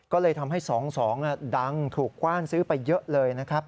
ก็เลยทำให้๒๒ดังถูกกว้านซื้อไปเยอะเลยนะครับ